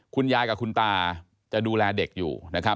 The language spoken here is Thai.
คุณยายกับคุณตาจะดูแลเด็กอยู่นะครับ